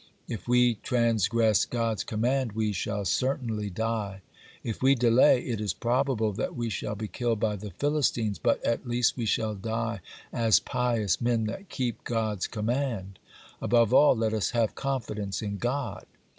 If we transgress God's command, we shall certainly die. If we delay, it is probable that we shall be killed by the Philistines, but, at least, we shall die as pious men that keep God's command. Above all, let us have confidence in God."